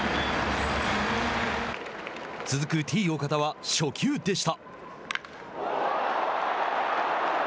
続くＴ−岡田は初球でした。